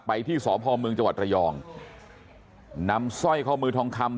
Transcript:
ไปที่สอพอมึงจังหวัดไตยองต์นำสร้อยข้อมือทองคำ